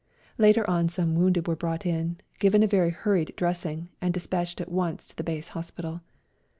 Later on some wounded were brought in, given a very hurried dressing, and despatched at once to the base hospital.